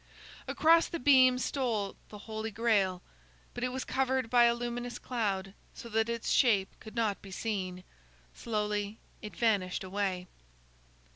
Across the beam stole the Holy Grail. But it was covered by a luminous cloud, so that its shape could not be seen. Slowly it vanished away.